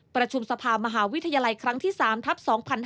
ประชุมสภามหาวิทยาลัยครั้งที่๓ทัพ๒๕๕๙